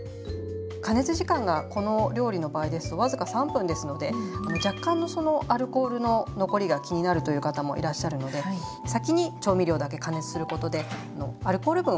加熱時間がこの料理の場合ですと僅か３分ですので若干のそのアルコールの残りが気になるという方もいらっしゃるので先に調味料だけ加熱することでアルコール分をとばします。